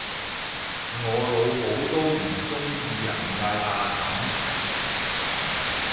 我老母都唔鍾意人嗌阿嬸